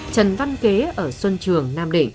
trần văn kế ở xuân trường nam định